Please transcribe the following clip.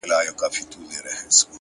اخلاص د نیکۍ رنګ ژوروي؛